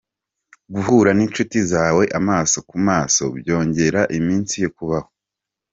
Guhura n’inshuti zawe amaso ku maso byogera iminsi yo kubaho.